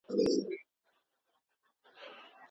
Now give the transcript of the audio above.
انځورګر ټوله څښلې